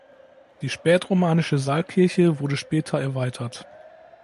Die spätromanische Saalkirche wurde später erweitert.